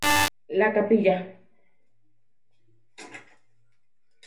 La Capilla.